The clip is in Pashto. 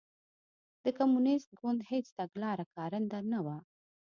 د کمونېست ګوند هېڅ تګلاره کارنده نه وه.